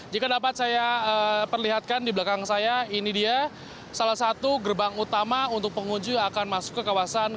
jika dapat saya perlihatkan di belakang saya ini dia salah satu gerbang utama untuk pengunjung akan masuk ke kawasan